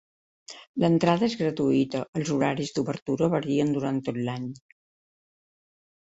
L'entrada és gratuïta, els horaris d'obertura varien durant tot l'any.